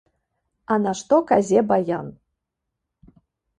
А нашто казе баян?